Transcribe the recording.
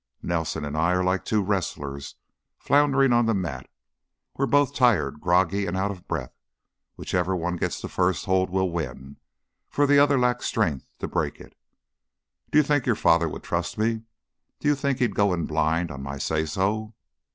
Nelson and I are like two wrestlers floundering on the mat. We're both tired, groggy, out of breath. Whichever one gets the first hold will win, for the other lacks strength to break it. Do you think your father would trust me? Do you think he'd go it blind on my say so?"